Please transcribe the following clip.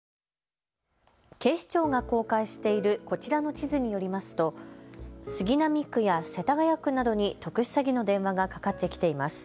警視庁が公開しているこちらの地図によりますと杉並区や世田谷区などに特殊詐欺の電話がかかってきています。